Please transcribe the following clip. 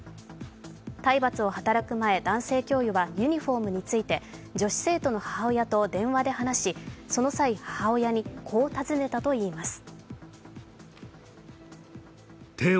体罰を働く前、男性教諭はユニフォームについて女子生徒の母親と電話で話しその際、母親にこう尋ねたといいます。